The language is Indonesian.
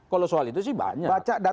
kalau soal itu sih baca